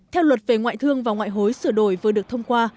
theo luật về ngoại thương và ngoại hối sửa đổi vừa được thông qua